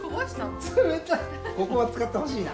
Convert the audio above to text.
ここは使ってほしいな。